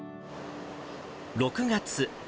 ６月。